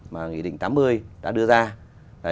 mà nghị định tám mươi đã đưa ra